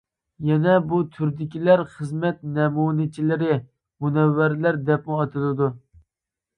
يەنى بۇ تۈردىكىلەر خىزمەت نەمۇنىچىلىرى، مۇنەۋۋەرلەر دەپمۇ ئاتىلىدۇ.